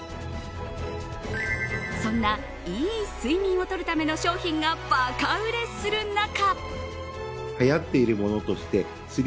そんな、いい睡眠をとるための商品がバカ売れする中。